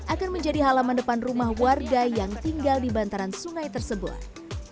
akan menjadi halaman depan rumah warga yang tinggal di bantaran sungai tersebut